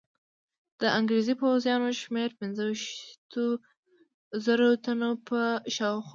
د انګرېزي پوځیانو شمېر پنځه ویشتو زرو تنو په شاوخوا.